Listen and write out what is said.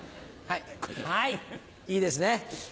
はいいいですね。